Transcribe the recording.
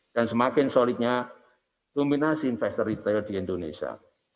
dan semakin solidnya dominasi investor retail di indonesia